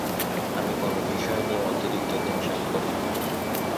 আমি কোনো বিষয় নিয়ে অতিরিক্ত টেনশন করি।